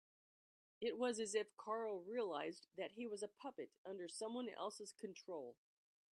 It was as if Carl realised that he was a puppet under someone else's control.